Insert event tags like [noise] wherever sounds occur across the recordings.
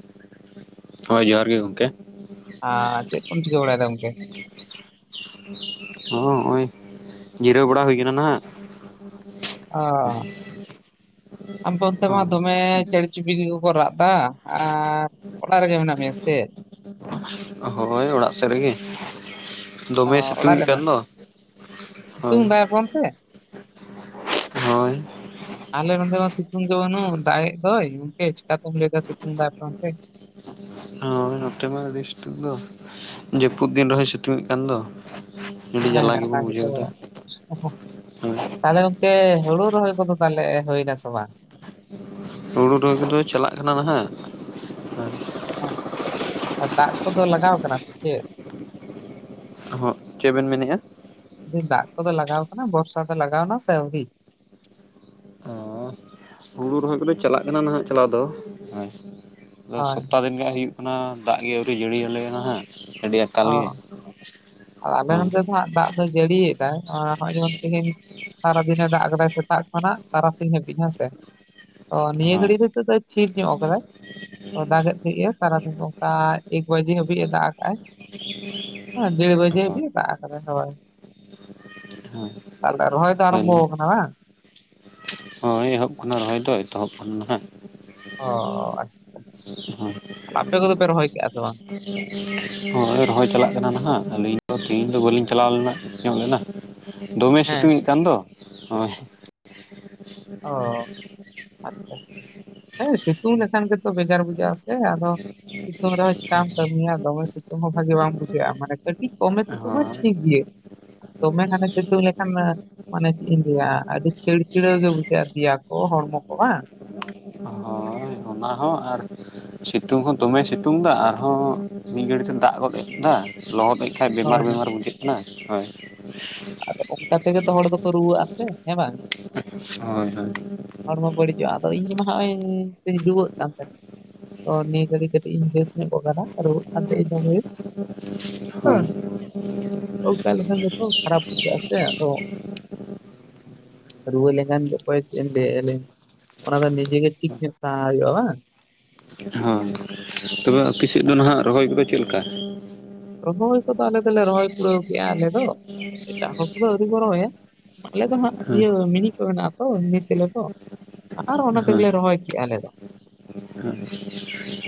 [inaudible] ᱦᱳᱭ ᱡᱚᱦᱟᱸᱨ ᱜᱮ ᱜᱚᱝᱠᱮ ᱟᱨ ᱪᱮᱫ ᱠᱚᱢ ᱪᱤᱠᱟᱹ ᱵᱟᱲᱟᱭᱮᱫᱟ ᱜᱚᱝᱠᱮ? ᱦᱚᱸ ᱦᱚᱸᱜᱼᱚᱭ ᱡᱤᱨᱟᱹᱣ ᱵᱟᱲᱟ ᱦᱩᱭ ᱠᱟᱱᱟ ᱱᱟᱜ [inaudible] ᱟᱵ ᱚᱱᱛᱮ ᱢᱟ ᱫᱚᱢᱮ ᱪᱮᱬᱮ ᱪᱩᱯᱲᱤ ᱠᱚ ᱠᱚ ᱨᱟᱜ ᱮᱫᱟ ᱟᱨ ᱚᱲᱟᱜ ᱨᱮᱜᱮ ᱢᱮᱱᱟᱜ ᱢᱮᱭᱟ ᱥᱮ? [inaudible] ᱦᱳᱭ ᱚᱲᱟᱜ ᱥᱮᱫ ᱨᱮᱜᱮ ᱚ ᱫᱚᱢᱮ ᱥᱤᱛᱩᱝ ᱚᱲᱟᱜ ᱨᱮ ᱮᱛ ᱠᱟᱱ ᱫᱚ ᱦᱳᱭ ᱜᱚᱢᱠᱮ ᱦᱳᱭ ᱟᱞᱮ ᱱᱚᱛᱮ ᱢᱟ ᱥᱤᱛᱩᱝ ᱜᱮ ᱵᱟᱹᱱᱩ ᱫᱟᱜ ᱮ ᱫᱚᱭ ᱜᱚᱢᱠᱮ ᱪᱤᱠᱟ ᱛᱮᱢ ᱞᱟᱹᱭᱫᱟ ᱥᱤᱛᱩᱝ ᱫᱟᱭ ᱚᱱᱛᱮ ᱦᱳᱭ ᱱᱚᱛᱮ ᱢᱟ ᱟᱹᱰᱤ ᱥᱤᱛᱩᱝ ᱫᱚ ᱡᱟᱹᱯᱩᱫ ᱫᱤᱱ ᱨᱮᱦᱚᱭ ᱥᱤᱛᱩᱝ ᱮᱫ ᱠᱟᱱ ᱫᱚ ᱟᱹᱰᱤ ᱡᱟᱞᱟ ᱦᱮᱸ ᱚᱱᱟ ᱜᱮᱵᱚᱱ ᱜᱮᱛᱚ ᱵᱩᱡᱷᱟᱹᱣᱫᱟ ᱛᱟᱦᱚᱞᱮ ᱜᱚᱝᱠᱮ ᱦᱩᱲᱩ ᱨᱚᱦᱚᱭ ᱠᱚ ᱫᱚ ᱛᱟᱦᱚᱞᱮ ᱦᱩᱭᱱᱟ ᱥᱮ ᱵᱟᱝ ᱦᱩᱲᱩ ᱨᱚᱦᱚᱭ ᱠᱚᱫᱚ ᱪᱟᱞᱟᱜ ᱠᱟᱱᱟ ᱱᱟᱦᱟᱜ ᱟᱨ ᱫᱟᱜ ᱠᱚᱫᱚ ᱞᱟᱜᱟᱣ ᱠᱟᱱᱟ ᱥᱮ ᱪᱮᱫ? ᱦᱚᱸ ᱪᱮᱫ ᱵᱮᱱ ᱢᱮᱱᱮᱫᱼᱟ? ᱫᱟᱜ ᱠᱚᱫᱚ ᱞᱟᱜᱟᱣ ᱠᱟᱱᱟ ᱵᱚᱨᱥᱟ ᱫᱚ ᱞᱟᱜᱟᱣ ᱮᱱᱟ ᱥᱮ ᱟᱣᱨᱤ? ᱚᱸ ᱦᱩᱲᱩ ᱨᱚᱦᱚᱭ ᱠᱚᱫᱚ ᱪᱟᱞᱟᱜ ᱠᱟᱱᱟ ᱱᱟᱦᱟᱜ ᱪᱟᱞᱟᱣ ᱫᱚ ᱦᱳᱭ ᱥᱚᱯᱛᱟᱦ ᱨᱮ ᱦᱩᱭᱩᱜ ᱠᱟᱱᱟ ᱫᱟᱜ ᱜᱮ ᱟᱹᱣᱨᱤ ᱡᱟᱹᱲᱤᱟᱞᱮ ᱦᱮᱸ ᱱᱟᱜ ᱟᱹᱰᱤ ᱟᱸ ᱚ ᱟᱞᱮ ᱱᱚᱛᱮ ᱫᱚ ᱦᱟᱸᱜ ᱫᱟᱜ ᱫᱚ ᱡᱟᱹᱲᱤᱭᱮᱫᱟᱭ ᱟᱨ ᱦᱚᱸᱚᱭ ᱡᱮᱢᱚᱱ ᱛᱮᱦᱮᱱ ᱥᱟᱨᱟᱫᱤᱱᱮ ᱫᱟᱜ ᱟᱠᱟᱫᱟᱭ ᱥᱮᱛᱟᱜ ᱠᱷᱚᱱᱟᱜ ᱛᱟᱨᱟᱥᱤᱧ ᱦᱟᱹᱵᱤᱡ ᱦᱮᱸ ᱥᱮ ᱚ ᱱᱤᱭᱟᱹ ᱦᱳᱭ ᱜᱷᱟᱨᱤᱡ ᱦᱤᱛᱚᱜ ᱫᱚᱭ ᱛᱷᱤᱨ ᱧᱚᱜ ᱠᱟᱫᱟᱭ ᱫᱟᱜ ᱮᱫ ᱛᱟᱦᱤᱜ ᱮ ᱥᱟᱨᱟᱫᱤᱱ ᱚᱱᱠᱟ ᱮᱠ ᱵᱟᱡᱮ ᱦᱟᱹᱵᱤᱡ ᱮ ᱫᱟᱜ ᱠᱟᱜᱼᱟᱭ [inaudible] ᱦᱮ ᱰᱮᱲ ᱵᱟᱡᱮ ᱦᱳᱭ ᱦᱟᱵᱤᱡ ᱮ ᱫᱟᱜ ᱟᱠᱟᱫᱟᱭ ᱦᱳᱭ ᱦᱳᱭ ᱛᱟᱦᱚᱞᱮ ᱨᱚᱦᱚᱸᱭ ᱫᱚ ᱟᱨᱚᱢᱵᱷᱚ ᱟᱹᱞᱤᱧ ᱠᱟᱱᱟ ᱵᱟᱝ ᱮᱛᱚᱦᱚᱵ [inaudible] ᱠᱟᱱᱟ ᱨᱚᱦᱚᱭ ᱫᱚ ᱮᱛᱚᱦᱚᱵ ᱠᱟᱱᱟ ᱦᱟᱸᱜ ᱚ ᱟᱪᱷᱟ ᱟᱪᱷᱟᱦ ᱟᱯᱮ ᱠᱚᱫᱚ ᱯᱮ ᱨᱚᱦᱚᱭ ᱠᱮᱜ ᱟ ᱥᱮ ᱵᱟᱝ? ᱦᱳᱭ ᱨᱚᱦᱚᱭ ᱪᱟᱞᱟᱜ ᱠᱟᱱᱟ ᱱᱟᱦᱟᱸᱜ ᱟᱹᱞᱤᱧ ᱫᱚ ᱛᱮᱦᱤᱧ ᱫᱚ ᱵᱟᱹᱞᱤᱧ ᱪᱟᱞᱟᱣ ᱞᱮᱱᱟ ᱧᱚᱜ ᱞᱮᱱᱟ ᱫᱚᱢᱮ ᱦᱮᱸ ᱥᱤᱛᱩᱝ ᱮᱜ ᱠᱟᱱ ᱫᱚ ᱱᱚᱜᱼᱚᱭ ᱚ ᱟᱪᱷᱟ ᱟᱪᱷᱟ ᱦᱮ ᱥᱤᱛᱩᱝ ᱞᱮᱠᱷᱟᱱ ᱜᱮᱛᱚ ᱵᱮᱡᱟᱨ ᱵᱩᱡᱷᱟᱹᱜ ᱟ ᱥᱮ ᱟᱫᱚ ᱥᱤᱛᱩᱝ ᱨᱮᱦᱚ ᱪᱮᱠᱟᱢ ᱠᱟᱹᱢᱤᱭᱟ ᱫᱚᱢᱮ ᱥᱤᱛᱩᱝ ᱦᱚᱸ ᱵᱷᱟᱜᱮ ᱵᱟᱝᱢ ᱵᱩᱡᱷᱟᱹᱜᱼᱟ ᱢᱟᱱᱮ ᱠᱟᱹᱴᱤᱡ ᱠᱚᱢᱼᱮ ᱥᱤᱛᱩᱝ ᱢᱟ ᱦᱳᱭ ᱴᱷᱤᱠ ᱜᱮᱭᱟ ᱫᱚᱢᱮ ᱠᱷᱟᱱᱮ ᱥᱤᱛᱩᱝ ᱞᱮᱠᱷᱟᱱ ᱢᱟᱱᱮ ᱪᱮᱫ ᱤᱧ ᱞᱟᱹᱭᱟ ᱟᱹᱰᱤ ᱪᱤᱲ ᱪᱤᱲᱟᱹᱣ ᱜᱮ ᱵᱩᱡᱷᱟᱹᱜ ᱫᱤᱭᱟ ᱠᱚ ᱦᱚᱲᱢᱚ ᱠᱚ ᱵᱟᱝ [inaudible] ᱦᱳᱧ ᱚᱱᱟ ᱦᱚᱸ ᱟᱨ ᱥᱤᱛᱩᱝ ᱦᱚᱸ ᱫᱚᱢᱮ ᱥᱤᱛᱩᱝ ᱮᱫᱟ ᱟᱨᱦᱚᱸ ᱢᱤᱫ ᱜᱷᱟᱹᱲᱤᱡ ᱛᱮ ᱫᱟᱜ ᱜᱚᱫ ᱮᱫᱼᱟ ᱞᱚᱦᱚᱫᱮᱜ ᱠᱷᱟᱡ ᱵᱮᱢᱟᱨ ᱦᱳᱭ ᱦᱳᱭ ᱵᱮᱢᱟᱨ ᱵᱩᱡᱷᱟᱹᱜ ᱠᱟᱱᱟ ᱦᱳᱭ ᱟᱫᱚ ᱚᱱᱠᱟ ᱛᱮᱜᱮ ᱦᱚᱲ ᱫᱚᱠᱚ ᱨᱩᱣᱟᱹᱜ ᱟᱥᱮ ᱦᱮᱸ ᱵᱟᱝ ᱦᱳᱭ ᱦᱳᱭ ᱦᱚᱲᱢᱚ ᱵᱟᱹᱲᱤᱡᱚᱜᱼᱟ ᱟᱫᱚ ᱤᱧ ᱢᱟ ᱱᱚᱜᱼᱚᱭ ᱛᱩᱧ ᱨᱩᱣᱟᱹᱜ ᱠᱟᱱ ᱛᱟᱦᱮᱸᱫ ᱛᱚ ᱱᱤᱭᱟᱹ ᱜᱷᱟᱹᱲᱤ ᱠᱟᱹᱴᱤᱡ ᱤᱧ ᱵᱮᱥ ᱧᱚᱜ ᱟᱠᱟᱱᱟ ᱨᱩᱣᱟ. ᱜ ᱠᱟᱱ ᱛᱟᱸᱦᱮ ᱤᱧ ᱫᱚᱢᱮ ᱜᱮ ᱦᱳᱭ ᱦᱮᱸ [inaudible] ᱚᱱᱠᱟ ᱠᱷᱟᱱ ᱫᱚᱠᱚ ᱠᱷᱟᱨᱯ ᱵᱩᱡᱷᱟ. ᱜᱼᱟ ᱥᱮ [unintelligible] [inaudible] ᱨᱩᱣᱟᱹ ᱞᱮᱠᱷᱟᱱ ᱚᱠᱚᱭ ᱪᱮᱫ ᱮᱢ ᱞᱟᱹᱭ ᱟᱭᱟ ᱞᱟᱹᱭ ᱢᱮ? ᱚᱱᱟ ᱫᱚ ᱱᱤᱡᱮ ᱜᱮ ᱴᱷᱤᱠ ᱧᱚᱜ ᱛᱟᱦᱮᱸ ᱦᱩᱭᱩᱜᱼᱟ ᱵᱟᱝ? ᱦᱳᱸ ᱛᱚᱵᱮ ᱟᱯᱮ ᱥᱮᱫ ᱫᱚ ᱱᱟᱦᱟᱜ ᱨᱚᱦᱚᱭ ᱠᱚᱫᱚ ᱪᱮᱫ ᱞᱮᱠᱟ? ᱨᱚᱦᱚᱭ ᱠᱚᱫᱚ ᱟᱞᱮ ᱫᱚᱞᱮ ᱨᱚᱦᱚᱭ ᱯᱲᱟᱹᱣ ᱠᱮᱜᱼᱟ ᱟᱞᱮ ᱫᱚ᱾ ᱮᱴᱟᱜ ᱦᱚᱲ ᱠᱚᱫᱚ ᱟᱹᱣᱨᱤ ᱠᱚ ᱨᱚᱦᱚᱭᱟ ᱟᱞᱮ ᱫᱚ ᱦᱟᱸᱜ ᱤᱭᱟᱹ ᱢᱤᱱᱤ ᱠᱚ ᱢᱮᱱᱟᱜᱼᱟ ᱛᱚ ᱥᱮᱞᱳ ᱠᱚ ᱟᱨ ᱚᱱᱟ ᱦᱳᱭ ᱛᱮᱜᱮᱞᱮ ᱨᱚᱦᱚᱭ ᱠᱮᱫᱼᱟ ᱟᱞᱮ ᱫᱚ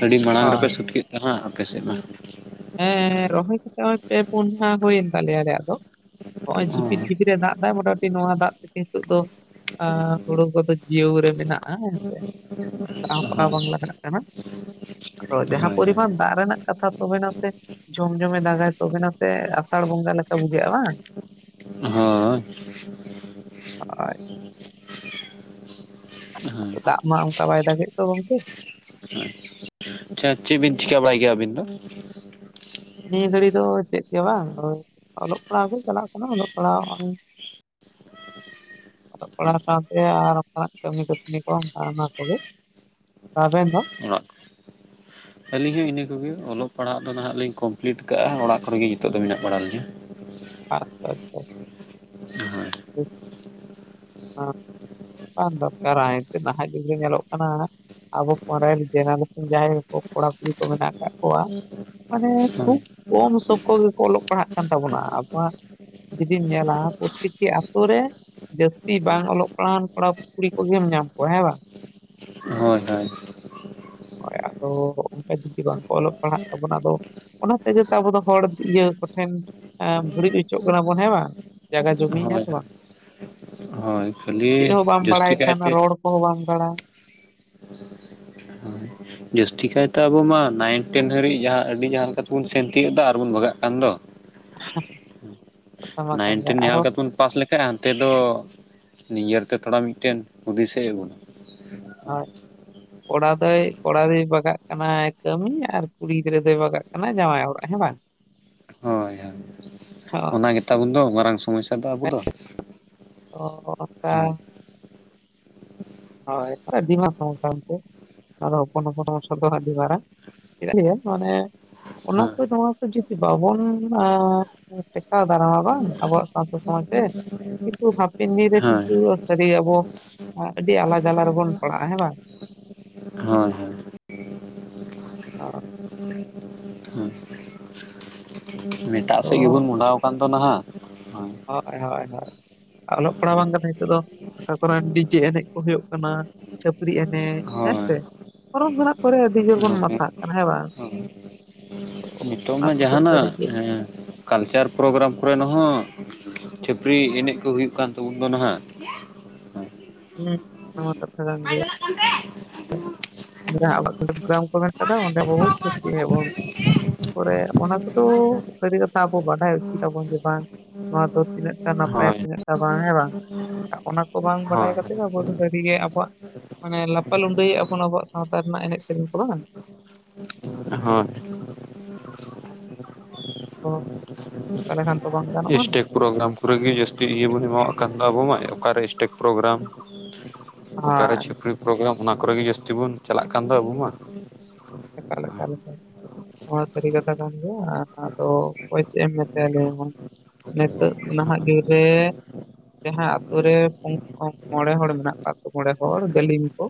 ᱟᱹᱰᱤ ᱢᱟᱲᱟᱝ ᱨᱮᱯᱮ ᱦᱳᱭ ᱥᱟ. ᱛ ᱠᱮᱫ ᱠᱟᱱᱟ ᱟᱯᱮ ᱥᱮᱫ ᱢᱟ᱾ ᱦᱮᱸᱻ ᱨᱚᱦᱚᱭ ᱠᱟᱛᱮ ᱯᱮ ᱯᱩᱱ ᱢᱟᱦᱟ ᱦᱩᱭᱮᱱ ᱛᱟᱞᱮᱭᱟ ᱟᱞᱮᱭᱟᱜ ᱫᱚ᱾ ᱱᱚᱜ ᱚᱭ ᱡᱷᱤᱯᱤᱠ ᱦᱳᱭ ᱡᱷᱤᱯᱤᱨ ᱮ ᱫᱟᱜ ᱮᱫᱟ ᱢᱚᱴᱟᱢᱩᱴᱤ ᱱᱚᱣᱟ ᱫᱟᱜ ᱛᱮᱜᱮ ᱱᱤᱛᱚᱜ ᱫᱚ ᱟᱻ ᱦᱩᱲᱩ ᱠᱚᱫᱚ ᱡᱤᱭᱟ. ᱣ ᱨᱮ ᱢᱮᱱᱟᱜᱼᱟ ᱦᱮᱸ ᱥᱮ᱾ ᱫᱟᱜ ᱦᱚᱸ ᱫᱟᱜ ᱦᱳᱭ ᱵᱟᱝ ᱞᱟᱜᱟᱜ ᱠᱟᱱᱟ᱾ ᱟᱫᱚ ᱦᱳᱭ ᱡᱟᱦᱟᱸ ᱯᱚᱨᱤᱢᱟᱱ ᱫᱟᱜ ᱨᱮᱱᱟᱜ ᱠᱟᱛᱷᱟ ᱛᱚᱵᱮ ᱱᱟᱥ ᱡᱷᱚᱢ ᱡᱷᱚᱢᱮ ᱫᱟᱜᱼᱟᱭ ᱛᱚᱵᱮᱱᱟ ᱥᱮ ᱟᱥᱟᱲ ᱵᱚᱸᱜᱟ ᱞᱮᱠᱟ ᱵᱩᱡᱷᱟᱹᱜᱼᱟ ᱵᱟᱝ? [unintelligible] ᱦᱳᱭ [inaudible] ᱫᱟᱜ ᱢᱟ ᱚᱱᱠᱟ ᱵᱟᱭ ᱫᱟᱜᱮᱫ ᱫᱚ ᱜᱚᱢᱠᱮ᱾ ᱪᱮᱫ? ᱪᱮᱫ ᱵᱤᱱ ᱪᱤᱠᱟᱹ ᱵᱟᱲᱟᱭ ᱜᱮᱭᱟ ᱟᱹᱵᱤᱱ ᱫᱚ? ᱱᱤᱭᱟᱹ ᱜᱷᱟᱹᱲᱤ ᱫᱚ ᱪᱮᱫ ᱜᱮ ᱵᱟᱝ ᱚᱞᱚᱜ ᱯᱟᱲᱦᱟᱜ ᱜᱮ ᱪᱟᱞᱟᱜ ᱠᱟᱱᱟ ᱚᱞᱚᱜ ᱯᱟᱲᱦᱟᱣ [inaudible] ᱚᱞᱚᱜ ᱯᱟᱲᱦᱟᱣ ᱥᱟᱶᱛᱮ ᱟᱨ ᱚᱱᱠᱟᱱᱟᱜ ᱠᱟᱹᱢᱤ ᱠᱟᱹᱥᱢᱤ ᱠᱚ ᱚᱱᱟ ᱠᱚᱜᱮ᱾ ᱟᱵᱮᱱ ᱫᱚ᱾ ᱚᱲᱟᱜ᱾ ᱟᱹᱞᱤᱧ ᱦᱚᱸ ᱤᱱᱟᱹ ᱠᱚᱜᱮ ᱚᱞᱚᱜ ᱯᱟᱲᱦᱟᱜ ᱫᱚ ᱱᱷᱟᱜ ᱞᱤᱧ ᱠᱚᱢᱯᱞᱤᱴ ᱠᱟᱜᱼᱟ᱾ ᱚᱲᱟᱜ ᱠᱚᱨᱮᱜᱮ ᱱᱤᱛᱚᱜ ᱫᱚ ᱢᱮᱱᱟᱜ ᱵᱟᱲᱟ ᱞᱤᱧᱟ᱾ ᱟᱪᱷᱟ ᱟᱪᱷᱟ᱾ [inaudible] [unintelligible] ᱵᱟᱝ ᱫᱚᱨᱠᱟᱨᱟ ᱮᱱᱛᱮᱫ ᱱᱟᱦᱟᱜ ᱡᱩᱜᱽ ᱨᱮ ᱧᱮᱞᱚᱜ ᱠᱟᱱᱟ ᱱᱟᱦᱟᱜ᱾ ᱟᱵᱚ ᱯᱚᱨᱮᱨ ᱡᱮᱱᱟᱨᱮᱥᱚᱱ ᱡᱟᱦᱟᱸᱭ ᱠᱚ ᱠᱚᱲᱟ ᱠᱩᱲᱤ ᱠᱚ ᱢᱮᱱᱟᱜ ᱠᱟᱫ ᱠᱚᱣᱟ ᱢᱟᱱᱮ ᱦᱳᱭ ᱠᱷᱩᱵᱽ ᱠᱚᱢ ᱥᱚᱝᱠᱷᱚ ᱜᱮᱠᱚ ᱚᱞᱚᱜ ᱯᱟᱲᱦᱟᱜ ᱠᱟᱱ ᱛᱟᱵᱚᱱᱟ ᱟᱵᱟ ᱡᱩᱫᱤᱢ ᱧᱮᱞᱟ ᱯᱨᱚᱛᱤᱴᱤ ᱟᱛᱳ ᱨᱮ ᱡᱟᱹᱥᱛᱤ ᱵᱟᱝ ᱚᱞᱚᱜ ᱯᱟᱲᱦᱟᱣ ᱠᱚᱲᱟ ᱠᱩᱲᱤ ᱠᱚᱜᱮᱢ ᱧᱟᱢ ᱠᱚᱣᱟ ᱦᱮᱸ ᱵᱟᱝ᱾ ᱦᱳᱭ ᱦᱳᱭ᱾ ᱦᱳᱭ᱾ ᱟᱫᱚ ᱚᱱᱠᱟ ᱡᱩᱫᱤ ᱵᱟᱝᱠᱚ ᱚᱞᱚᱜ ᱯᱟᱲᱦᱟᱜ ᱛᱟᱵᱚᱱᱟ, ᱟᱫᱚ ᱚᱱᱟ ᱛᱮᱜᱮ ᱛᱚ ᱟᱵᱚ ᱫᱚ ᱦᱚᱲ ᱤᱭᱟᱹ ᱠᱚᱴᱷᱮᱱ ᱮᱸ ᱵᱟᱹᱲᱤᱡ ᱦᱚᱪᱚᱜ ᱠᱟᱱᱟ ᱵᱚᱱ ᱦᱮᱸ ᱵᱟᱝ? ᱡᱟᱜᱟ ᱡᱚᱢᱤ ᱦᱳᱭ ᱦᱮᱱᱟᱜ ᱦᱳᱭ ᱛᱟᱢᱟ? ᱦᱳᱭ ᱠᱷᱟᱹᱞᱤ ᱡᱟᱹᱥᱛᱤ ᱠᱟᱭ ᱛᱮ ᱯᱚᱵᱟᱝᱛᱟᱲᱟ᱾ ᱦᱳᱭ ᱡᱟᱹᱥᱛᱤ ᱠᱟᱭᱛᱮ ᱟᱵᱚ ᱢᱟ ᱱᱟᱭᱤᱱᱴᱮᱱ ᱦᱟᱹᱨᱤᱡ ᱡᱟᱦᱟᱸ ᱟᱹᱰᱤ ᱡᱟᱦᱟᱸ ᱛᱮᱵᱚᱱ ᱥᱮᱱ ᱛᱤᱭᱳᱜ ᱫᱟ ᱟᱨᱵᱚᱱ ᱵᱟᱜᱟᱜ ᱠᱟᱱ ᱫᱚ? [unintelligible] ᱠᱟᱛᱷᱟ ᱢᱟ ᱠᱟᱱ ᱜᱮ ᱱᱟᱭᱤᱱᱴᱤᱱ ᱡᱟᱦᱟᱸ ᱟᱨᱚ ᱞᱮᱠᱟ ᱛᱮᱵᱚᱱ ᱼᱼ ᱯᱟᱥ ᱞᱮᱠᱷᱟᱱ ᱦᱟᱱᱛᱮ ᱫᱚ ᱱᱤᱡᱮᱨ ᱛᱮ ᱛᱷᱚᱲᱟ ᱢᱤᱫᱴᱮᱱ ᱦᱩᱫᱤᱥ ᱮ ᱟᱹᱵᱩᱱᱟ᱾ ᱦᱳᱭ᱾ ᱠᱚᱲᱟ ᱫᱚᱭ ᱠᱚᱲᱟ ᱫᱚᱭ ᱵᱟᱜᱟᱜ ᱠᱟᱱᱟ ᱠᱟᱹᱢᱤ ᱟᱨ ᱠᱩᱲᱤ ᱜᱤᱫᱽᱨᱟᱹ ᱫᱚᱭ ᱵᱟᱜᱟᱜ ᱠᱟᱱᱟ ᱡᱟᱶᱟᱭ ᱚᱲᱟᱜ ᱦᱮᱸ ᱵᱟᱝ? ᱦᱳᱭ ᱦᱳᱭ ᱦᱚᱸ ᱚᱱᱟ ᱜᱮᱛᱟᱵᱚᱱ ᱫᱚ ᱢᱟᱨᱟᱝ ᱥᱚᱢᱚᱥᱥᱟ ᱫᱚ ᱟᱵᱚ ᱫᱚ᱾ ᱚᱠᱟ ᱦᱳᱭ ᱦᱳᱭ ᱟᱹᱫᱤᱢᱟᱜ ᱥᱚᱢᱚᱥᱥᱟ ᱫᱚ ᱟᱨᱦᱚᱸ ᱦᱚᱯᱚᱱ ᱦᱚᱯᱚᱱ ᱦᱚᱸ ᱵᱚᱱ ᱥᱚᱫᱚᱨᱟ ᱟᱹᱰᱤ ᱢᱟᱨᱟᱝ᱾ ᱡᱟᱭᱦᱚᱠ ᱢᱟᱱᱮ ᱚᱱᱟ ᱦᱳᱭ ᱠᱚ ᱱᱚᱣᱟ ᱠᱚ ᱡᱩᱫᱤ ᱵᱟᱵᱚᱱ ᱟᱸᱻ ᱴᱮᱠᱟᱣ ᱫᱟᱨᱟᱢᱟ ᱵᱟᱝ? ᱟᱵᱚᱣᱟᱜ ᱥᱟᱶᱛᱟ ᱥᱚᱢᱟᱡᱽ ᱛᱮ᱾ ᱠᱤᱱᱛᱩ ᱦᱟᱯᱮᱱ ᱫᱤᱱ ᱨᱮ ᱦᱳᱭ [unintelligible] ᱥᱟᱹᱨᱤ ᱟᱵᱚ᱾ ᱟᱹᱰᱤ ᱟᱞᱟᱜᱽ ᱟᱞᱟᱜᱽ ᱨᱮᱵᱚᱱ ᱯᱟᱲᱟᱜᱼᱟ ᱦᱮᱸ ᱵᱟᱝ? ᱦᱳᱭ ᱦᱳᱭ [unintelligible] ᱦᱳᱭ ᱮᱴᱟᱜ ᱟᱫᱚ ᱥᱮᱫ ᱜᱮᱵᱚᱱ ᱢᱚᱦᱰᱟᱣ ᱟᱠᱟᱱ ᱫᱚ ᱱᱷᱟᱜ᱾ ᱦᱳᱭ ᱦᱳᱭ ᱦᱳᱭ᱾ ᱚᱞᱚᱜ ᱯᱟᱲᱦᱟᱣ ᱦᱳᱭ ᱵᱟᱝ ᱠᱟᱛᱮ ᱱᱤᱛᱚᱜ ᱫᱚ ᱚᱠᱟ ᱠᱚᱨᱮ ᱰᱤᱡᱮ ᱮᱱᱮᱡ ᱠᱚ ᱦᱩᱭᱩᱜ ᱠᱟᱱᱟ᱾ ᱪᱷᱟᱹᱯᱨᱤ ᱮᱱᱮᱡ ᱦᱮᱸ ᱦᱳᱭ, ᱥᱮ᱾ ᱯᱚᱨᱚᱵᱽ ᱢᱮᱱᱟᱜ ᱠᱚᱨᱮ ᱟᱹᱰᱤ ᱡᱳᱨ ᱵᱚᱱ ᱫᱚᱢᱮ ᱢᱟᱛᱟᱜ ᱠᱟᱱᱟ ᱦᱮᱸ ᱵᱟᱝ? ᱦᱳᱭ ᱛᱚ ᱱᱤᱛᱚᱜ ᱚᱱᱟ ᱢᱟ ᱠᱚᱫᱚ ᱡᱟᱦᱟᱸᱱᱟᱜ ᱥᱟᱹᱨᱤᱜᱮ ᱮᱸᱻ ᱠᱟᱞᱪᱟᱨ ᱯᱨᱳᱜᱨᱟᱢ ᱠᱚᱨᱮᱱ ᱦᱚᱸ ᱪᱷᱟᱹᱯᱨᱤ ᱮᱱᱮᱡ ᱠᱚ ᱦᱩᱭᱩᱜ ᱠᱟᱱ ᱛᱟᱵᱚᱱ ᱫᱚ ᱱᱷᱟᱜ᱾ [unintelligible] ᱦᱮᱸ ᱱᱚᱣᱟ ᱠᱟᱛᱷᱟ ᱠᱟᱱ ᱜᱮᱭᱟ [unintelligible] ᱡᱟᱦᱟ ᱟᱵᱚ [inaudible] ᱜᱨᱟᱢ ᱠᱚ ᱢᱮᱱᱟᱜ ᱠᱟᱫᱟ ᱚᱸᱰᱮ ᱟᱵᱚ ᱪᱷᱟᱠᱨᱤ [unintelligible] ᱛᱟᱨ ᱯᱚᱨᱮ ᱚᱱᱟ ᱠᱚᱫᱚ ᱥᱟᱹᱨᱤ ᱠᱟᱛᱷᱟ ᱟᱵᱚ ᱵᱟᱰᱟᱭ ᱩᱪᱤᱛ ᱟᱵᱚᱱ ᱡᱮ ᱵᱟᱝ ᱱᱚᱣᱟ ᱫᱚ ᱛᱤᱱᱟᱹᱜ ᱴᱟᱜ ᱱᱟᱯᱟᱭᱟ ᱦᱳᱭ ᱛᱤᱱᱟᱹᱜ ᱴᱟᱜ ᱵᱟᱝ ᱦᱮᱸ ᱵᱟᱝ ᱚᱱᱟ ᱠᱚ ᱵᱟᱝ ᱵᱟᱰᱟᱭ ᱦᱳᱭ ᱠᱟᱛᱮ ᱟᱵᱚ ᱫᱚ ᱥᱟᱹᱨᱤᱜᱮ ᱟᱵᱚᱣᱟᱜ ᱢᱟᱱᱮ ᱞᱟᱯᱟ ᱞᱩᱰᱟᱹᱭᱮᱫ ᱟᱵᱚᱱ ᱟᱵᱚᱣᱟᱜ ᱥᱟᱶᱛᱟ ᱨᱮᱱᱟᱜ ᱮᱱᱮᱡ ᱥᱮᱨᱮᱧ ᱠᱚ ᱵᱟᱝ? ᱦᱚᱸ᱾ [unintelligible] ᱚᱱᱠᱟ ᱞᱮᱠᱷᱟᱱ ᱛᱚ ᱵᱟᱝ ᱜᱟᱱᱚᱜᱼᱟ? ᱥᱴᱮᱡᱽ ᱯᱨᱳᱜᱨᱟᱢ ᱠᱚᱨᱮᱜ ᱜᱮ ᱡᱟᱹᱥᱛᱤ ᱤᱭᱟᱹ ᱵᱚᱱ ᱮᱢᱟᱣᱟᱜ ᱠᱟᱱ ᱫᱚ ᱟᱵᱚ ᱢᱟ, ᱚᱠᱟᱨᱮ ᱮᱥᱴᱮᱡᱽ ᱯᱨᱳᱜᱨᱟᱢ᱾ ᱚᱠᱟᱨᱮ ᱪᱷᱟᱹᱯᱨᱤ ᱯᱨᱳᱜᱨᱟᱢ ᱚᱱᱟ ᱠᱚᱨᱮ ᱜᱮ ᱡᱟᱹᱥᱛᱤ ᱵᱚᱱ ᱪᱟᱞᱟᱜ ᱠᱟᱱ ᱫᱚ ᱟᱵᱚ ᱢᱟ᱾ ᱮᱠᱟᱞ ᱮᱠᱟᱞ ᱮᱠᱟᱞ᱾ ᱱᱚᱶᱟ ᱥᱟᱹᱨᱤ ᱠᱟᱛᱷᱟ ᱠᱟᱱ ᱜᱮᱭᱟ᱾ ᱟᱻᱫᱚ ᱚᱠᱚᱭ ᱪᱮᱫ ᱮᱢ ᱢᱮᱛᱟᱭᱟ ᱱᱤᱭᱟᱹ ᱦᱚᱸ᱾ ᱱᱤᱛᱚᱜ ᱱᱟᱦᱟᱜ ᱫᱤᱱ ᱨᱮ ᱡᱟᱦᱟᱸ ᱟᱛᱳ ᱨᱮ ᱠᱩ [inaudible] ᱢᱚᱬᱮ ᱦᱚᱲ ᱢᱮᱱᱟᱜ ᱠᱚᱣᱟ ᱟ ᱢᱚᱬᱮ ᱦᱚᱲ ᱜᱟᱹᱞᱤᱢ ᱠᱚ,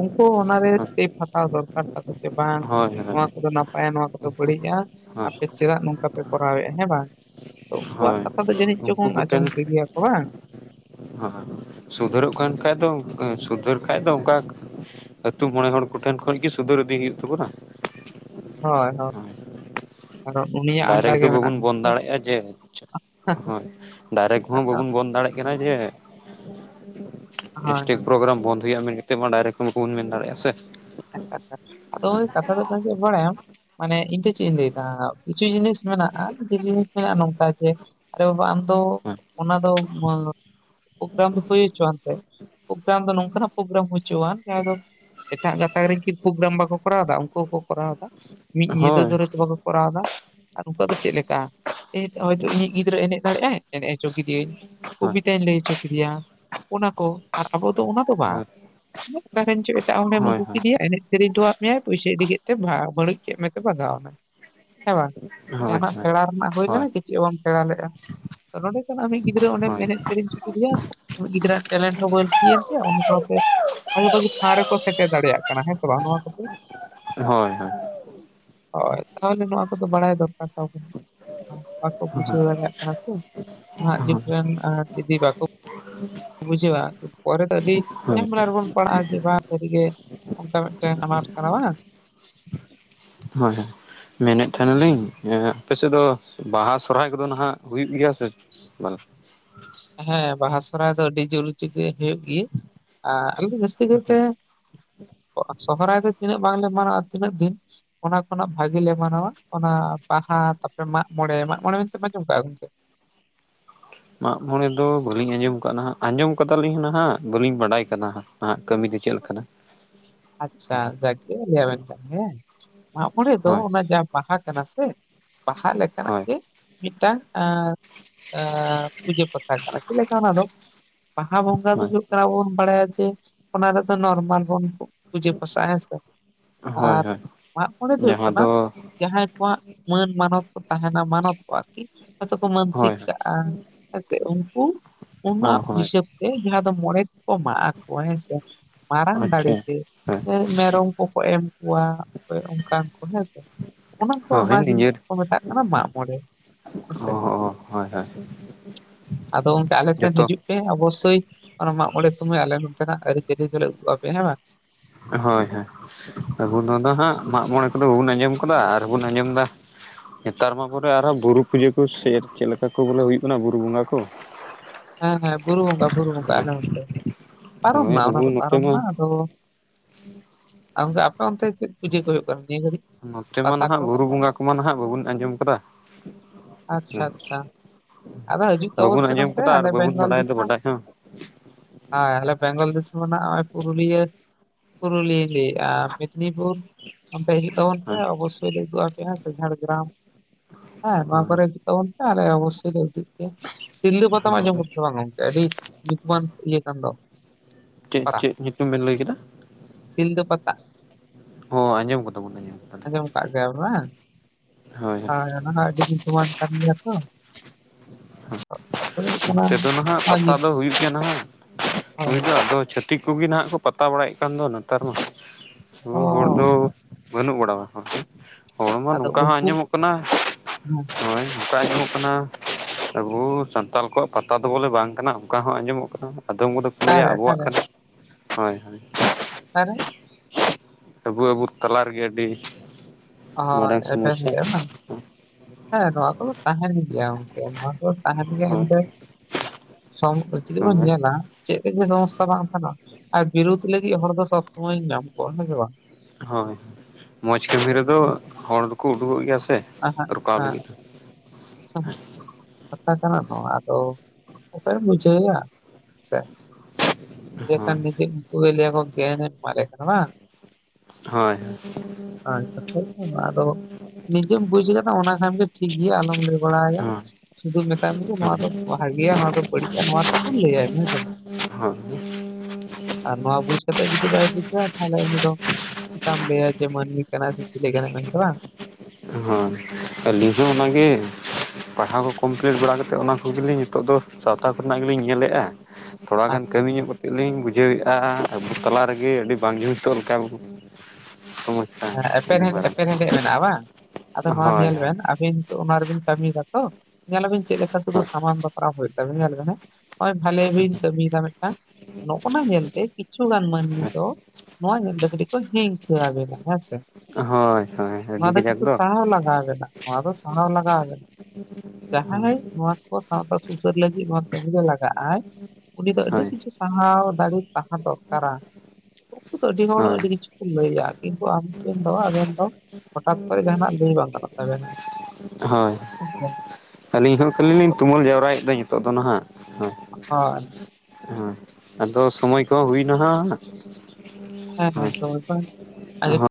ᱩᱱᱠᱩ ᱚᱱᱟᱨᱮ ᱥᱴᱮᱯ ᱦᱟᱛᱟᱣ ᱫᱚᱨᱠᱟᱨ ᱛᱟᱠᱚ ᱡᱮ ᱵᱟᱝ ᱦᱳᱭ ᱼᱼ ᱦᱳᱭ ᱱᱚᱣᱟ ᱠᱚᱫᱚ ᱱᱟᱯᱟᱭᱟ ᱱᱚᱣᱟ ᱠᱚᱫᱚ ᱩᱱᱠᱩ ᱵᱟᱹᱲᱤᱡᱼᱟ ᱦᱳᱭ ᱟᱯᱮ ᱪᱮᱫᱟᱜ ᱱᱚᱝᱠᱟ ᱯᱮ ᱠᱚᱨᱟᱣᱮᱫᱼᱟ ᱦᱮᱸ ᱵᱟᱝ ᱾ ᱦᱳᱭ ᱟᱡᱚᱢ ᱠᱮ ᱜᱮᱭᱟ ᱠᱚ ᱵᱟᱝ ᱦᱚ ᱦᱚ ᱥᱩᱫᱷᱟᱹᱨᱚᱜ ᱠᱟᱱ ᱠᱷᱟᱡ ᱫᱚ ᱥᱩᱫᱷᱟᱹᱨ ᱠᱷᱟᱡ ᱫᱚ ᱚᱱᱠᱟ ᱟᱹᱛᱩ ᱢᱚᱬᱮ ᱦᱚᱲ ᱠᱚᱴᱷᱮᱱ ᱠᱷᱚᱱ ᱜᱮ ᱥᱩᱫᱷᱟᱹᱨ ᱤᱫᱤ ᱦᱩᱭᱩᱜ ᱛᱟᱵᱚᱱᱟ ᱦᱳᱭ ᱦᱳᱭ ᱠᱟᱨᱚᱱ ᱩᱱᱤᱭᱟᱜ ᱟᱱᱰᱟᱨ ᱰᱟᱭᱨᱮᱠᱴ ᱫᱚ ᱜᱮ ᱢᱮᱱᱟᱜ ᱵᱟᱵᱚᱱ ᱵᱚᱱᱫ ᱠᱚᱣᱟ᱾ ᱫᱟᱲᱮᱭᱟᱜᱼᱟ ᱡᱮ ᱦᱳᱭ ᱫᱟᱨᱮ ᱠᱚᱦᱚᱸ ᱵᱟᱵᱚᱱ ᱵᱚᱱᱫ ᱫᱟᱲᱮᱭᱟᱜ ᱠᱟᱱᱟ ᱡᱮ ᱦᱳᱭ ᱦᱳᱭ ᱥᱴᱮᱡᱽ ᱯᱨᱳᱜᱨᱟᱢ ᱵᱚᱱᱫ ᱦᱩᱭᱩᱜ ᱢᱮᱱ ᱢᱟᱰᱟᱭ ᱨᱚᱠᱚᱢ ᱵᱚᱱ ᱢᱮᱱ ᱫᱟᱲᱮᱭᱟᱜᱼᱟ ᱥᱮ ᱟᱫᱚ ᱠᱟᱛᱷᱟ ᱫᱚ ᱪᱮᱫ ᱵᱟᱲᱟᱭᱟᱢ? ᱢᱟᱱᱮ ᱤᱧ ᱫᱚ ᱪᱮᱫ ᱤᱧ ᱞᱟᱹᱭᱟ ᱠᱤᱪᱷᱩ ᱡᱤᱱᱤᱥ ᱢᱮᱱᱟᱜᱼᱟ ᱠᱤᱪᱷᱩ ᱡᱤᱱᱤᱥ ᱢᱮᱱᱟᱜᱼᱟ ᱱᱚᱝᱠᱟ ᱡᱮ ᱼᱼ ᱟᱨᱮ ᱵᱟᱵᱟ ᱟᱢ ᱫᱚ ᱚᱱᱟ ᱫᱚ [inaudible] ᱯᱨᱚᱜᱨᱟᱢ ᱫᱚ ᱦᱩᱭ ᱦᱚᱪᱚᱣᱟᱱ ᱥᱮ ᱯᱨᱚᱜᱨᱟᱢ ᱫᱚ ᱱᱚᱝᱠᱟᱱᱟᱜ ᱯᱨᱚᱜᱨᱟᱢ ᱦᱩᱭ ᱦᱚᱪᱚᱣᱟᱱ ᱡᱟᱦᱟᱸ ᱫᱚ ᱼᱼ ᱮᱴᱟᱜ ᱜᱟᱛᱟᱠ ᱨᱮᱠᱤᱱ ᱯᱨᱳᱠᱜᱨᱟᱢ ᱵᱟᱝ ᱠᱚ ᱠᱚᱨᱟᱣ ᱫᱟ ᱩᱱᱠᱩ ᱦᱚ ᱠᱚ ᱠᱚᱨᱟᱣ ᱫᱟ ᱢᱤᱫ ᱦᱳᱭ ᱧᱤᱫᱟ. ᱦᱳᱭ ᱫᱷᱚᱨᱮ ᱫᱚ ᱵᱟᱠᱚ ᱠᱚᱨᱟᱣ ᱫᱟ ᱟᱨ ᱩᱱᱠᱩᱣᱟᱜ ᱫᱚ ᱪᱮᱫ ᱞᱮᱠᱟ ᱦᱚᱭᱛᱳ ᱤᱧᱤᱡ ᱜᱤᱫᱽᱨᱟᱹ ᱮᱱᱮᱡ ᱫᱟᱲᱮᱭᱟᱜ ᱟᱭ ᱮᱱᱮᱡ ᱦᱚᱪᱚ ᱠᱮᱫᱮᱭᱟᱹᱧ᱾ ᱦᱳᱭ ᱠᱚᱵᱤᱛᱟᱧ ᱞᱟᱹᱭ ᱦᱚᱪᱚ ᱠᱮᱫᱮᱭᱟ ᱚᱱᱟ ᱠᱚ ᱟᱨ ᱟᱵᱚ ᱫᱚ ᱚᱱᱟ ᱫᱚ ᱵᱟᱝ᱾ ᱦᱳᱭ ᱚᱠᱟ ᱨᱮᱱ ᱪᱚ ᱮᱴᱟᱜ ᱦᱚᱲᱮᱢ ᱦᱳᱭ ᱟᱹᱜᱩ ᱦᱳᱭ ᱠᱮᱫᱮᱟᱭ ᱮᱱᱮᱡ ᱥᱮᱨᱮ ᱦᱚᱴᱚᱣᱟᱜ ᱢᱮᱟᱭ ᱯᱚᱭᱥᱟ ᱤᱫᱤ ᱠᱮᱫᱛᱮ ᱵᱟᱹᱲᱩᱡ ᱠᱮᱫ ᱢᱮᱛᱮ ᱵᱷᱟᱜᱟᱣᱱᱟᱭ᱾ ᱦᱮᱸ ᱵᱟᱝ ᱡᱟᱦᱟᱱᱟᱜ ᱦᱳᱭ ᱥᱮᱬᱟ ᱨᱮᱱᱟᱜ ᱦᱩᱭ ᱦᱳᱭ ᱞᱮᱱᱟ ᱠᱤ ᱪᱮᱫ ᱦᱚᱸ ᱵᱟᱢ ᱥᱮᱬᱟ ᱞᱮᱜᱼᱟ ᱾ ᱱᱚᱰᱮ ᱠᱷᱟᱱ ᱟᱢᱤᱡ ᱜᱤᱫᱽᱨᱟᱹ ᱚᱸᱰᱮᱢ ᱦᱳᱭ ᱮᱱᱮᱮᱡ ᱥᱮᱨᱮᱧ ᱠᱴᱪᱚ ᱠᱮᱫᱮᱭᱟ ᱜᱤᱫᱽᱨᱟᱹ ᱴᱮᱞᱮᱱᱴ ᱦᱚᱸ ᱵᱟᱹᱲᱛᱤᱭᱮᱱ ᱛᱟᱭᱟ ᱤᱱᱟᱹ ᱥᱟᱶᱛᱮ ᱵᱷᱟᱜᱮ ᱵᱷᱟᱜᱮ ᱴᱷᱟᱣ ᱫᱮᱠᱚ ᱥᱮ ᱫᱟᱲᱮᱭᱟᱜ ᱠᱟᱱᱟ ᱦᱮᱸ ᱥᱮ ᱵᱟᱝ ᱱᱚᱣᱟ ᱠᱷᱟ. ᱛᱤᱨ ᱦᱳᱭ ᱦᱳᱭ ᱦᱳᱭ ᱛᱟᱦᱚᱞᱮ ᱱᱚᱣᱟ ᱠᱚᱫᱚ ᱵᱟᱲᱟᱭ ᱫᱚᱨᱠᱟᱨ ᱛᱟᱵᱚᱱᱟ᱾ ᱵᱟᱠᱚ ᱵᱩᱡᱷᱟᱹᱣ ᱫᱟᱲᱮᱭᱟᱜ ᱠᱟᱱᱟ ᱥᱮ ᱱᱟᱦᱟᱜ ᱡᱩᱜ ᱨᱮᱱ ᱡᱩᱫᱤ ᱵᱟᱠᱚ ᱼᱼ ᱵᱩᱡᱷᱟᱹᱣ-ᱟ ᱯᱚᱨᱮ ᱫᱚ ᱟᱹᱰᱤ ᱦᱳᱭ ᱡᱷᱟᱢᱮᱞᱟ ᱨᱮᱵᱚᱱ ᱯᱟᱲᱟᱜ ᱯᱟᱲᱟᱜᱼᱟ ᱡᱮ ᱵᱟᱝ ᱥᱟᱹᱨᱤᱜᱮ ᱼᱼ ᱚᱱᱠᱟ ᱢᱤᱫᱴᱮᱱ ᱟᱱᱟᱴ ᱠᱟᱱᱟ ᱵᱟᱝ ᱾ ᱦᱳᱭ ᱦᱳᱭ ᱢᱮᱱᱮᱫ ᱛᱟᱦᱮᱱᱟᱞᱤᱧ ᱟᱯᱮᱥᱮᱫ ᱫᱚ ᱵᱟᱦᱟ ᱥᱚᱨᱦᱟᱭ ᱠᱚᱫᱚ ᱱᱟᱦᱟᱜ ᱦᱩᱭᱩᱜ ᱜᱮᱭᱟ ᱥᱮ ᱵᱟᱝ? ᱦᱮᱸ ᱵᱟᱦᱟ ᱥᱚᱦᱨᱟᱭ ᱫᱚ ᱟᱹᱰᱤ ᱡᱳᱨ ᱦᱚᱪᱚ ᱜᱮ ᱦᱩᱭᱩᱜ ᱜᱮ ᱟᱨ ᱟᱞᱮ ᱫᱚ ᱡᱟᱹᱥᱛᱤ ᱠᱟᱭᱛᱮ ᱼᱼ ᱥᱚᱦᱚᱨᱟᱭ ᱫᱚ ᱛᱤᱱᱟᱹᱜ ᱵᱟᱝᱞᱮ ᱢᱟᱱᱟᱣᱼᱟ ᱛᱤᱱᱟᱹᱜ ᱫᱤᱱ, ᱚᱱᱟ ᱠᱷᱚᱱᱟᱜ ᱵᱷᱟᱜᱤ ᱞᱮ ᱢᱟᱱᱟᱣᱟ ᱚᱱᱟ ᱵᱟᱦᱟ ᱛᱟᱯᱚᱨᱮ ᱢᱟᱜ ᱢᱚᱬᱮ ᱢᱟᱜ ᱢᱚᱬᱮ ᱢᱮᱱᱛᱮ ᱟᱡᱚᱢ ᱠᱟᱜᱼᱟ ᱜᱚᱝᱠᱮ? ᱢᱟᱜ ᱢᱚᱬᱮ ᱫᱚ ᱵᱟᱹᱞᱤᱧ ᱟᱸᱡᱚᱢ ᱠᱟᱜᱱᱦᱟᱜ [unintelligible] ᱟᱸᱡᱚᱢ ᱠᱟᱫᱟᱞᱤᱧ ᱱᱟᱦᱟᱜ ᱵᱟᱹᱞᱤᱧ ᱵᱟᱰᱟᱭ ᱟᱠᱟᱫᱟᱜ ᱱᱟᱦᱟᱜ ᱠᱟᱹᱢᱤ ᱫᱚ ᱪᱮᱫ ᱞᱮᱠᱟᱱᱟ᱾ ᱟᱪᱪᱷᱟ ᱡᱟᱜᱮ ᱞᱭᱟᱵᱮᱱ ᱠᱟᱱᱟ [unintelligible] ᱦᱮᱸ ᱢᱟᱜᱢᱚᱬᱮ ᱫᱚ ᱦᱳᱭ ᱚᱱᱟ ᱡᱟ ᱵᱟᱦᱟ ᱠᱟᱱᱟ ᱥᱮ ᱼᱼ ᱵᱟᱦᱟ ᱞᱮᱠᱟᱱᱟᱜ ᱦᱳᱭ ᱜᱮ ᱢᱤᱫᱴᱟᱝ ᱟᱸᱻ ᱯᱩᱡᱟᱹ ᱯᱟᱥᱟ ᱠᱟᱱᱟ ᱪᱮᱛᱞᱮᱠᱟ ᱚᱱᱟ ᱫᱚ ᱼᱼ ᱵᱟᱦᱟ ᱵᱚᱸᱜᱟ ᱫᱚ ᱦᱳᱭ ᱦᱩᱭᱩᱜ ᱠᱟᱱᱟᱵᱚᱱ ᱵᱟᱲᱟᱭᱟ ᱡᱮ ᱚᱱᱟ ᱨᱮᱫᱚ ᱱᱚᱨᱢᱟᱞ ᱵᱚᱱ ᱼᱼ ᱯᱩᱡᱟᱹ ᱯᱟᱥᱟ ᱦᱮᱸᱥᱮ ᱦᱳᱭ ᱟᱨ ᱦᱳᱭ ᱢᱟᱜ ᱢᱚᱬᱮ ᱫᱚ ᱦᱩᱭᱩᱜ ᱠᱟᱱᱟ ᱼᱼ ᱡᱟᱦᱟᱸᱭ ᱠᱚᱣᱟᱜ ᱢᱟᱹᱱ ᱢᱟᱱᱚᱛ ᱠᱚ ᱛᱟᱦᱮᱱᱟ ᱢᱟᱱᱚᱛ ᱠᱚ ᱟᱨᱠᱤ ᱦᱚᱭᱚᱛᱚ ᱠᱚ ᱢᱟᱹᱱᱥᱤᱠ ᱦᱳᱭ ᱠᱟᱜᱼᱟ ᱼᱼ ᱦᱮ ᱥᱮ ᱩᱱᱠᱩ ᱼᱼ ᱚᱱᱟ ᱦᱳᱭ ᱦᱳᱭ ᱦᱤᱥᱟᱹᱵ ᱛᱮ ᱡᱟᱦᱟᱸ ᱫᱚ ᱢᱚᱬᱮ ᱠᱚᱠᱚ ᱢᱟᱜ ᱟᱠᱚᱣᱟ ᱦᱮᱸᱥᱮ ᱢᱟᱨᱟᱝ ᱫᱟᱲᱮ ᱟᱪᱪᱷᱟ ᱛᱮ। ᱦᱳᱭ ᱢᱮᱨᱚᱢ ᱠᱚᱠᱚ ᱮᱢ ᱠᱚᱣᱟ ᱚᱠᱚᱭ ᱚᱱᱠᱟᱱ ᱠᱚ ᱦᱮᱸᱥᱮ। ᱚᱱᱟ ᱠᱚ ᱚᱱᱟ ᱦᱳᱭ ᱡᱤᱱᱤᱥ ᱱᱤᱡᱮᱨ ᱠᱚ ᱢᱮᱛᱟᱜ ᱼᱼ ᱚᱱᱟ ᱢᱟᱜ ᱢᱚᱬᱮ ᱦᱮᱸ ᱚ ᱥᱮ ᱦᱳᱭ ᱦᱳᱭ ᱟᱫᱚ ᱜᱚᱝᱠᱮ ᱟᱞᱮ ᱥᱮᱱ ᱡᱚᱛᱚ ᱦᱤᱡᱩᱜ ᱼᱼ ᱯᱮ ᱚᱵᱚᱥᱥᱳᱭ ᱚᱱᱟ ᱢᱟᱜᱚᱬᱮ ᱥᱚᱢᱚᱭ ᱟᱞᱮ ᱱᱚᱱᱛᱮᱱᱟᱜ ᱟᱹᱨᱤᱪᱟᱹᱞᱤ ᱠᱚᱞᱮ ᱩᱫᱩᱜ ᱟᱯᱮᱭᱟ ᱦᱮᱸ ᱵᱟᱝ। ᱦᱳᱭ ᱦᱳᱭ ᱟᱵᱚ ᱱᱚᱣᱟ [unintelligible] ᱫᱚ ᱦᱟᱸᱜ ᱢᱟᱜ ᱢᱚᱬᱮ ᱠᱚᱫᱚ ᱵᱟᱵᱚᱱ ᱟᱸᱡᱚᱢ ᱟᱠᱟᱫᱟ ᱟᱨᱵᱚᱱ ᱟᱸᱡᱚᱢᱫᱟ ᱼᱼ ᱱᱮᱛᱟᱨ ᱢᱟ ᱯᱚᱨᱮ ᱟᱨᱦᱚᱸ ᱵᱩᱨᱩ ᱯᱩᱡᱟᱹ ᱠᱚ ᱥᱮ ᱪᱮᱫ ᱞᱮᱠᱟ ᱠᱚ ᱵᱚᱞᱮ ᱦᱩᱭᱩᱜ ᱠᱟᱱᱟ ᱵᱩᱨᱩ ᱵᱚᱸᱜᱟ ᱠᱚ ᱦᱮᱸ ᱦᱮᱸ ᱵᱩᱨᱩ ᱵᱚᱸᱜᱟ ᱵᱩᱨᱩ ᱵᱚᱸᱜᱟ ᱟᱞᱮ ᱚᱱᱛᱮ ᱯᱟᱨᱚᱢ ᱦᱳᱭ ᱮᱱᱟ ᱟᱵᱚ ᱚᱱᱟ ᱫᱚ ᱱᱚᱛᱮ ᱯᱟᱨᱚᱢ ᱢᱟ ᱱᱟ ᱟᱫᱚ ᱟᱨᱮ [unintelligible] ᱟᱯᱮ ᱚᱱᱛᱮ ᱪᱮᱫ ᱯᱩᱡᱟᱹ ᱠᱚ ᱦᱩᱭᱩᱜ ᱠᱟᱱᱟ ᱱᱤᱭᱟᱹ ᱜᱷᱟᱹᱲᱤᱡ? ᱱᱚᱛᱮ ᱢᱟ ᱯᱟᱛᱟ ᱱᱦᱟᱜ ᱠᱚ? ᱵᱩᱨᱩ ᱵᱚᱸᱜᱟ ᱠᱚᱢᱟ ᱱᱦᱟᱜ ᱵᱟᱵᱚᱱ ᱟᱸᱡᱚᱢ ᱠᱟᱫᱟ᱾ ᱟᱪᱪᱷᱟ ᱟᱪᱪᱷᱟ ᱟᱫᱚ ᱦᱤᱡᱩᱜ ᱛᱟᱵᱚᱱ ᱵᱟᱵᱩᱱ ᱯᱮ ᱟᱸᱡᱚᱢ ᱱᱚᱱᱛᱮ ᱟᱠᱟᱫᱟ ᱟᱨ ᱟᱞᱮ ᱵᱟᱵᱩᱱ ᱵᱟᱰᱟᱭ ᱫᱚ ᱵᱟᱰᱟᱭ ᱦᱚᱸ᱾ ᱦᱟᱸ ᱟᱞᱮ ᱵᱮᱝᱜᱚᱞ ᱫᱤᱥᱚᱢ ᱨᱮᱱᱟᱜ ᱱᱚᱜᱼᱚᱭ ᱯᱩᱨᱩᱞᱤᱭᱟᱹ ᱼᱼ ᱯᱩᱨᱩᱞᱤᱟᱸᱧ ᱞᱟᱹᱭ ᱟ ᱢᱮᱫᱽᱱᱤᱯᱩᱨ। ᱚᱱᱛᱮ ᱦᱤᱡᱩᱜ ᱛᱟᱵᱚᱱ ᱯᱮ ᱦᱮᱸ ᱚᱵᱚᱥᱥᱳᱭ ᱞᱮ ᱩᱫᱩᱜ ᱟᱯᱮᱭᱟ ᱦᱮᱸ ᱥᱮ ᱡᱷᱟᱲᱜᱨᱟᱢ। ᱦᱮᱸ ᱱᱚᱣᱟ ᱦᱳᱭ ᱠᱚᱨᱮ ᱦᱤᱡᱩᱜ ᱛᱚᱵᱚᱱᱯᱮ ᱟᱞᱮ ᱚᱵᱚᱥᱥᱭ ᱞᱮ ᱼᱼ ᱥᱤᱞᱫᱟᱹ ᱯᱟᱛᱟᱢ ᱟᱸᱡᱚᱢ ᱠᱟᱫᱟ ᱥᱮ ᱵᱟᱝ ᱜᱚᱝᱠᱮ ᱟᱹᱰᱤ ᱧᱩᱛᱩᱢᱟᱱ ᱤᱭᱟᱹ ᱠᱟᱱ ᱫᱚ? ᱪᱮᱫ ᱯᱟᱨᱟ ᱪᱮᱫ ᱧᱩᱛᱩᱢ ᱵᱮᱱ ᱞᱟᱹᱭ ᱠᱮᱫᱟ? ᱥᱤᱞᱫᱟᱹ ᱯᱟᱛᱟ ᱚᱸ ᱟᱸᱡᱚᱢ ᱠᱟᱫᱟ ᱵᱚᱱ ᱟᱸᱡᱚᱢ ᱠᱟᱜ ᱜᱮᱭᱟᱢ ᱵᱟᱝ ᱦᱳᱭ ᱦᱚᱭ ᱚᱱᱟ ᱦᱚᱸ ᱟ. ᱰᱤ ᱜᱤ ᱧᱩᱛᱩᱢᱟᱱ ᱠᱟᱱ ᱜᱮᱭᱟ ᱛᱚ ᱛᱟᱨᱯᱚᱨᱮ ᱦᱩᱭᱩᱜ ᱠᱟᱱᱟ ᱟᱫᱚ ᱱᱟᱦᱟᱜ ᱦᱚᱸᱜᱼᱚᱭ ᱯᱟᱛᱟ ᱱᱤᱛ ᱫᱚ ᱦᱩᱭᱩᱜ ᱜᱮᱭᱟ ᱱᱟᱦᱟᱜ ᱦᱳᱭ ᱧᱤᱫᱟ. ᱟᱫᱚ ᱪᱷᱟ. ᱼᱼ [unintelligible] ᱠᱟᱹᱴᱤᱡ ᱠᱚᱜᱮ ᱱᱟᱦᱟᱜ ᱠᱚ ᱯᱟᱛᱟ ᱵᱟᱲᱟᱭᱮᱫ ᱠᱟᱱ ᱫᱚ ᱱᱮᱛᱟᱨ ᱢᱟ ᱟᱵᱩ ᱦᱚᱲ ᱫᱚ ᱚ ᱵᱟᱹᱱᱩᱜ ᱵᱟᱲᱟᱣᱟ ᱦᱚᱲᱢᱟ ᱟᱫᱚ ᱱᱚᱝᱠᱟ ᱦᱚᱸ ᱩᱱᱠᱩ ᱟᱸᱡᱚᱢᱚᱜ ᱠᱟᱱᱟ ᱦᱮᱸ ᱦᱳᱭ ᱱᱚᱝᱠᱟ ᱟᱸᱡᱚᱢᱚᱜ ᱠᱟᱱᱟ ᱟᱵᱩ ᱥᱟᱱᱛᱟᱞ ᱠᱚᱣᱟᱜ ᱯᱟᱛᱟ ᱫᱚ ᱵᱚᱞᱮ ᱵᱟᱝ ᱠᱟᱱᱟ ᱚᱱᱠᱟ ᱦᱚᱸ ᱟᱸᱡᱚᱢᱚᱜ ᱠᱟᱱᱟ ᱟᱫᱚᱢ ᱠᱚᱫᱚ ᱞᱟ. ᱭᱟ ᱚᱠᱟᱨᱮ ᱟᱵᱚᱣᱟᱜ ᱚᱠᱟᱨᱮ ᱠᱟᱱᱟ ᱦᱳᱭ ᱦᱳᱭ ᱟᱨ ᱟᱵᱚ ᱟᱵᱚ ᱛᱟᱞᱟ ᱨᱮᱜᱮ ᱟᱹᱰᱤ ᱦᱳᱭ ᱢᱟᱨᱟᱝ ᱮᱯᱮᱢ ᱥᱚᱢᱚᱥᱥᱟ ᱜᱮ ᱵᱟᱝ ᱦᱮᱸ ᱱᱚᱣᱟ ᱠᱚᱫᱚ ᱛᱟᱦᱮᱸᱱ ᱜᱮᱭᱟ ᱜᱚᱢᱠᱮ ᱱᱚᱣᱟ ᱠᱚᱫᱚ ᱛᱟᱦᱮᱸᱱ ᱜᱮᱭᱟ ᱦᱳᱭ ᱮᱱᱛᱮ ᱡᱩᱫᱤ ᱵᱚᱱ ᱦᱳᱭ ᱧᱮᱞᱟ ᱪᱮᱫ ᱡᱮ ᱥᱚᱢᱚᱥᱥᱟ ᱵᱟᱝ ᱛᱟᱦᱮᱱᱟ ᱟᱨ ᱵᱤᱨᱩᱫ ᱞᱟᱹᱜᱤᱫ ᱦᱚᱲ ᱫᱚ ᱥᱚᱵᱽ ᱥᱚᱢᱚᱭ ᱤᱧ ᱧᱟᱢ ᱠᱚᱣᱟ ᱦᱮᱸ ᱥᱮ ᱵᱟᱝ ᱦᱳᱭ ᱢᱚᱡᱽ ᱠᱟᱹᱢᱤ ᱛᱟᱨᱯᱚᱨᱮ ᱨᱮᱫᱚ ᱦᱚᱲ ᱫᱚᱠᱚ ᱩᱰᱩᱠᱚᱜ ᱜᱮᱭᱟ ᱥᱮ ᱟᱦᱟᱜ ᱨᱚᱠᱟᱣ ᱞᱟᱹᱜᱤᱫ ᱦᱮᱸ ᱠᱟᱛᱷᱟ ᱠᱟᱱᱟ ᱱᱚᱣᱟ ᱟᱫᱚ ᱚᱠᱚᱭᱮᱢ ᱵᱩᱡᱷᱟᱹᱣ ᱮᱭᱟ ᱥᱮ ᱮᱱᱟᱠᱷᱟᱱ ᱦᱳᱭ ᱱᱤᱡᱮ ᱱᱩᱠᱩ ᱜᱮ ᱞᱟ. ᱭ ᱟᱠᱚ ᱜᱮᱭᱟᱭ ᱱᱷᱟᱜ ᱢᱟᱨᱮᱱ ᱠᱟᱱᱟ ᱵᱟᱝ ᱦᱳᱭ ᱦᱳᱭ ᱟᱫᱚ ᱱᱤᱡᱮᱢ ᱵᱩᱡ ᱠᱟᱫᱟ ᱚᱱᱟ ᱠᱷᱟᱱ ᱜᱮ ᱴᱷᱤᱠ ᱜᱮᱭᱟ ᱟᱞᱚᱢ ᱞᱟ. ᱭ ᱵᱟᱲᱟ ᱟᱭᱟ ᱦᱳᱭ ᱥᱩᱫᱩ ᱢᱮᱛᱟᱭ ᱢᱮ ᱡᱮ ᱱᱚᱣᱟ ᱦᱳᱭ ᱫᱚ ᱵᱷᱟᱜᱤᱭᱟ ᱱᱚᱣᱟ ᱫᱚ ᱵᱟᱹᱲᱤᱡᱼᱟ ᱱᱚᱣᱟ ᱫᱚ ᱴᱩᱠᱩᱱ ᱞᱟᱹᱭ ᱟᱭ ᱢᱮ ᱦᱮ ᱛᱚ ᱦᱳᱭ ᱟᱨ ᱱᱚᱣᱟ ᱵᱩᱡ ᱠᱟᱛᱮ ᱡᱩᱫᱤ ᱵᱟᱭ ᱵᱩᱡᱼᱟ ᱛᱟᱦᱚᱞᱮ ᱩᱱᱤ ᱫᱚ ᱪᱮᱠᱟᱢ ᱞᱟ. ᱭᱟ ᱡᱮ ᱢᱟᱹᱱᱢᱤ ᱠᱟᱱᱟᱭ ᱥᱮ ᱪᱤᱞᱤ ᱠᱟᱱᱟᱭ ᱢᱮᱱᱛᱮ ᱵᱟᱝ ᱦᱳᱭ ᱟᱹᱞᱤᱧ ᱦᱚᱸ ᱚᱱᱟ ᱜᱮ ᱯᱟᱲᱦᱟᱣ ᱠᱚ ᱠᱚᱢᱯᱤᱞᱤᱴ ᱵᱟᱲᱟ ᱠᱟᱛᱮᱫ ᱚᱱᱟ ᱠᱚᱜᱮᱞᱤᱧ ᱱᱤᱛᱚᱜ ᱫᱚ ᱥᱟᱶᱛᱟ ᱠᱚᱨᱮᱱᱟᱜ ᱜᱮᱞᱤᱧ ᱧᱮᱞᱮᱫᱼᱟ ᱛᱷᱚᱲᱟ ᱜᱟᱱ ᱟᱪᱪᱷᱟ ᱠᱟᱹᱢᱤ ᱧᱚᱜ ᱜᱚᱫ ᱤᱧᱤᱧ ᱵᱩᱡᱷᱟᱹᱣ [unintelligible] ᱮᱫᱼᱟ ᱟᱵᱚ ᱛᱟᱞᱟ ᱨᱮᱜᱮ ᱟᱹᱰᱤ ᱵᱟᱝ ᱧᱩᱛᱚᱜ ᱞᱮᱠᱟ ᱵᱚᱱ ᱥᱚᱢᱚᱥᱟ ᱦᱮᱸ ᱮᱯᱮᱨᱦᱮᱸᱰᱮᱡ ᱮᱯᱮᱨᱦᱮᱸᱰᱮᱡ ᱢᱮᱱᱟᱜᱼᱟ ᱵᱟᱝ ᱟᱫᱚ ᱱᱚᱣᱟ ᱦᱳᱭ ᱧᱮᱞ ᱵᱮᱱ ᱟᱵᱤᱱ ᱚᱱᱟ ᱨᱮᱵᱤᱱ ᱠᱟᱹᱢᱤᱭ ᱮᱫᱟ ᱛᱚ ᱧᱮᱞᱟᱵᱤᱱ ᱪᱮᱫ ᱞᱮᱠᱟ ᱥᱩᱫᱷᱩ ᱥᱟᱢᱟᱝ ᱫᱟᱯᱨᱟᱢ ᱦᱩᱭᱩᱜ ᱛᱟᱵᱤᱱ ᱧᱮᱞ ᱵᱤᱱ ᱦᱮ ᱱᱚᱜᱼᱚᱭ ᱵᱷᱟᱞᱮ ᱵᱤᱱ ᱠᱟᱹᱢᱤᱭᱮᱫᱟ ᱢᱤᱫᱴᱟᱝ ᱱᱚᱜᱼ ᱱᱟ ᱧᱮᱞᱛᱮ ᱠᱤᱪᱷᱩᱜᱟᱱ ᱢᱟᱹᱱᱢᱤ ᱦᱳᱭ ᱫᱚ ᱱᱚᱣᱟ ᱧᱮᱞᱛᱮ ᱠᱟᱹᱴᱤᱡ ᱠᱚ ᱦᱤᱝᱥᱟᱹ ᱟᱹᱵᱤᱱᱟ ᱦᱮᱸ ᱥᱮ ᱦᱳᱭ ᱦᱳᱭ ᱟᱹᱰᱤ ᱱᱚᱣᱟ ᱫᱚ ᱠᱟᱡᱟᱠ ᱠᱤᱱᱛᱩ ᱥᱟᱦᱟᱣ ᱞᱟᱜᱟᱣ ᱟᱵᱤᱱᱟ ᱱᱚᱣᱟ ᱫᱚ ᱥᱟᱦᱟᱣ ᱞᱟᱜᱟᱣ ᱟᱵᱤᱱᱟ ᱡᱟᱦᱟᱸᱭ ᱱᱚᱣᱟ ᱠᱚ ᱥᱟᱶᱛᱟ ᱥᱩᱥᱟᱹᱨ ᱞᱟᱹᱜᱤᱫ ᱱᱚᱣᱟ ᱠᱟᱹᱢᱤ ᱨᱮ ᱞᱟᱜᱟᱜ ᱟᱭ ᱩᱱᱤ ᱫᱚ ᱟᱹᱰᱤ ᱦᱳᱭ ᱠᱤᱪᱷᱩ ᱥᱟᱦᱟᱣ ᱫᱟᱲᱮ ᱛᱟᱦᱮᱸ ᱫᱚᱨᱠᱟᱨᱟ ᱩᱱᱠᱩ ᱫᱚ ᱟᱹᱰᱤ ᱦᱚᱲ ᱦᱳᱭ ᱟ. ᱰᱤ ᱠᱤᱪᱷᱩ ᱠᱚ ᱞᱟᱹᱭᱼᱟ ᱠᱤᱱᱛᱩ ᱟᱵᱤᱱ ᱫᱚ ᱟᱵᱤᱱ ᱫᱚ ᱦᱚᱴᱟᱛ ᱠᱚᱨᱮ ᱡᱟᱦᱟᱱᱟᱜ ᱞᱟᱹᱭ ᱵᱟᱝ ᱜᱟᱱᱚᱜ ᱛᱟᱵᱮᱱᱟ ᱦᱳᱭ ᱦᱮᱸᱥᱮ ᱟᱞᱤᱧ ᱦᱚᱸ ᱠᱷᱟᱹᱞᱤ ᱞᱤᱧ ᱛᱩᱢᱟᱹᱞ ᱡᱟᱣᱨᱟ ᱭᱮᱫᱟᱹᱧ ᱱᱤᱛᱚᱜ ᱫᱚ ᱱᱟᱜ ᱦᱮᱸ ᱦᱳᱭ ᱟᱫᱚ ᱥᱚᱢᱚᱭ ᱠᱚᱦᱚᱸ ᱦᱩᱭ ᱮᱱᱟ ᱦᱟᱸᱜ ᱦᱮᱸ ᱦᱮᱸ ᱦᱳᱭ ᱥᱚᱢᱚᱭ ᱠᱚ